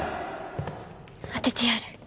当ててやる。